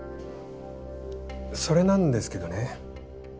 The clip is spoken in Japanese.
それなんですけどね。